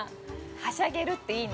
はしゃげるっていいな。